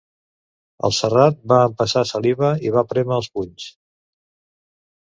El Serrat va empassar saliva i va prémer els punys.